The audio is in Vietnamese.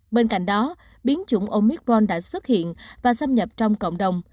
bên cạnh đó biến chủng omicron đã xuất hiện và xâm nhập trong cộng đồng